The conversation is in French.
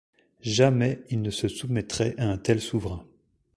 Jamais, il ne se soumettrait à un tel souverain.